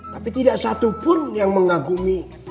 tapi tidak satupun yang mengagumi